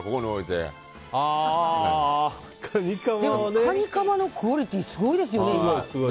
でもカニかまのクオリティーすごいですよね、今は。